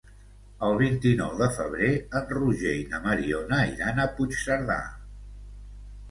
El vint-i-nou de febrer en Roger i na Mariona iran a Puigcerdà.